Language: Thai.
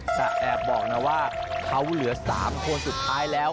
แอบบอกนะว่าเขาเหลือ๓คนสุดท้ายแล้ว